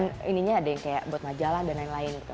dan ininya ada yang kayak buat majalah dan lain lain gitu